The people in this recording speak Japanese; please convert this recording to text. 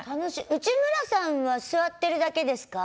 内村さんは座ってるだけですか？